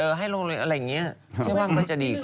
เออให้ลงโรงเรียนอะไรอย่างนี้ชื่อว่าก็จะดีกว่า